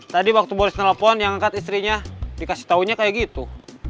tadi waktu boleh telepon yang ngekat istrinya dikasih taunya kayak gitu